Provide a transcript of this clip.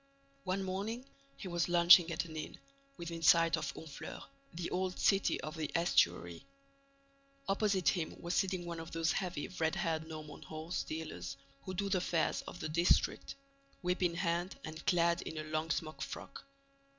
One morning, he was lunching at an inn, within sight of Honfleur, the old city of the estuary. Opposite him was sitting one of those heavy, red haired Norman horse dealers who do the fairs of the district, whip in hand and clad in a long smock frock.